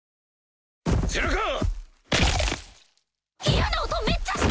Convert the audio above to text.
嫌な音めっちゃした！